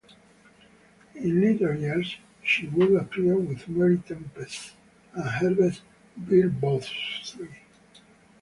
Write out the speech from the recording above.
In later years she would appear with Marie Tempest and Herbert Beerbohm Tree.